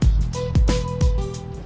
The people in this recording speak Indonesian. sekarang aku mau ketemu diza